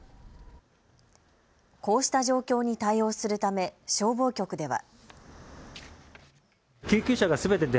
こうした状況に対応するため消防局では。